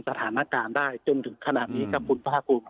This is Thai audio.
การเชินสถานะการณ์ได้จนถึงขนาดนี้ครับคุณพ่อกลุ่ม